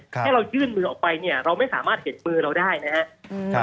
แค่เรายื่นมือออกไปเนี่ยเราไม่สามารถเห็นเบอร์เราได้นะฮะ